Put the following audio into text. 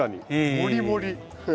もりもり。